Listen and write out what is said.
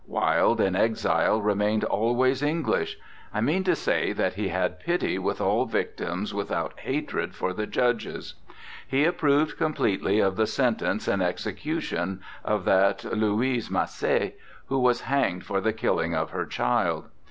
Wilde in exile remained always Eng lish: I mean to say that he had pity with all victims without hatred for the judges. He approved completely of the sentence and execution of that Louise Masset who was hanged for the killing of her child.